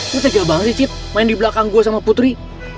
lo sejabang sih cit main di belakang gue sama putri